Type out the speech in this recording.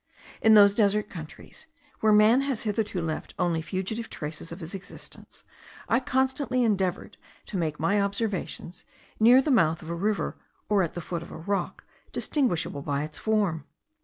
In those desert countries, where man has hitherto left only fugitive traces of his existence, I constantly endeavoured to make my observations near the mouth of a river, or at the foot of a rock distinguishable by its form.